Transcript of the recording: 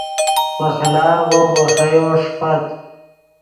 پہ خیلارغو ڤے خییو ݰیفت